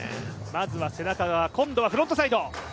まずは背中側、今度はフロントサイド。